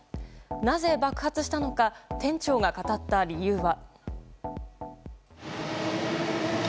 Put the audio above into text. なぜ爆発したのか店長が語った理由は。